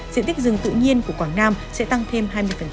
diện tích rừng tự nhiên của quảng nam sẽ tăng thêm hai mươi